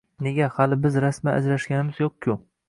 Nega, hali biz rasman ajrashganimiz yo`q-ku